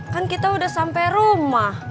kan kita udah sampai rumah